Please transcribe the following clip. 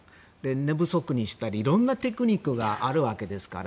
寝不足にしたり、いろんなテクニックがあるわけですから。